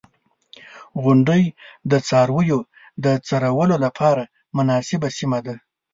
• غونډۍ د څارویو د څرولو لپاره مناسبه سیمه ده.